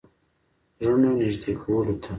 زړونو نېږدې کولو ته.